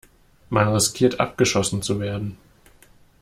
Man riskiert, abgeschossen zu werden.